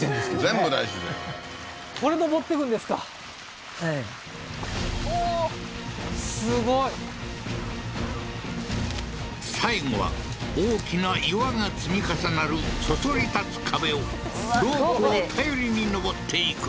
全部大自然おおー最後は大きな岩が積み重なるそそり立つ壁をロープを頼りに上っていく